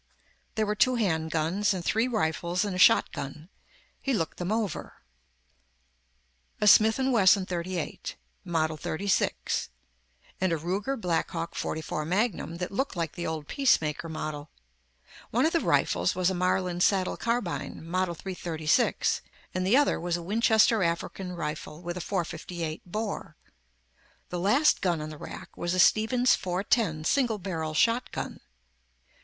There were two handguns and three rifles and a shotgun. He looked them over. A Smith and Wesson .38, model 36 and a Ruger Blackhawk .44 Magnum that looked like the old peacemaker model. One of the rifles was a Marlin saddle carbine, model 336 and the other was a Winchester African rifle with a .458 bore. The last gun on the rack was a Stevens .410 single barrel shotgun.